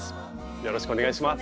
よろしくお願いします。